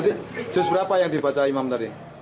tadi just berapa yang dibaca imam tadi